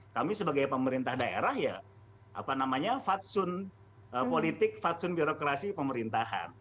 kami sebagai pemerintah daerah ya apa namanya fatsun politik fatsun birokrasi pemerintahan